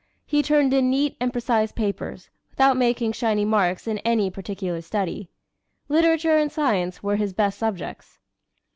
He turned in neat and precise papers, without making shining marks in any particular study. Literature and science were his best subjects.